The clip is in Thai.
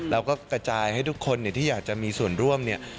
เราก็กระจายให้ทุกคนที่อยากจะมีส่วนร่วมเนี่ย